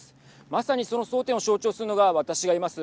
まさに、その争点を象徴するのが私がいます